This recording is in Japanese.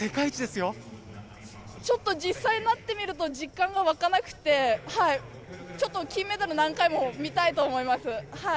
ちょっと、実際なってみると、実感が湧かなくって、ちょっと金メダル、何回も見たいと思います。